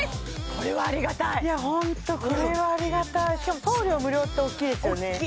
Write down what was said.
これはありがたいいやホントこれはありがたいしかも送料無料っておっきいですよね